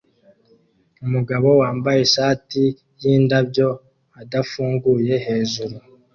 Umugabo wambaye ishati yindabyo adafunguye heju